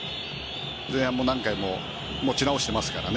前半も何回も持ち直していますからね。